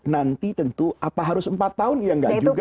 nanti tentu apa harus empat tahun ya enggak juga